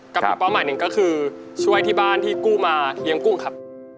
กับอีกเป้าหมายหนึ่งก็คือช่วยที่บ้านที่กู้มาเลี้ยงกุ้งครับ